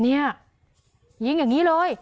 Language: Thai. เนี่ยยิงอย่างงี้เลย